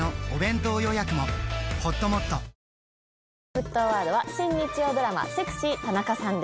沸騰ワードは新日曜ドラマ『セクシー田中さん』です。